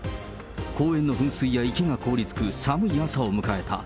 公園の噴水や池が凍りつく寒い朝を迎えた。